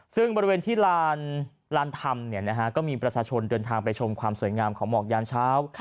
ซึ่งบริเวณที่ลานธรรมก็มีประชาชนเดินทางไปชมความสวยงามของหมอกยามเช้า